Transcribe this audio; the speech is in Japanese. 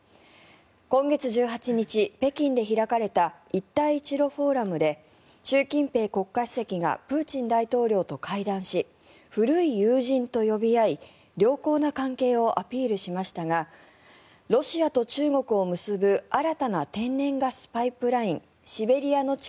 今月１８日、北京で開かれた一帯一路フォーラムで習近平国家主席がプーチン大統領と会談し古い友人と呼び合い良好な関係をアピールしましたがロシアと中国を結ぶ新たな天然ガスパイプラインシベリアの力